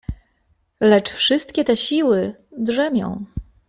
"Lecz wszystkie te siły „drzemią“."